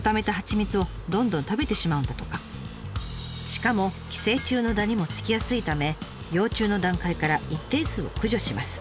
しかも寄生虫のダニもつきやすいため幼虫の段階から一定数を駆除します。